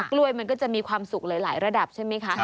กล้วยมันก็จะมีความสุขหลายระดับใช่ไหมคะ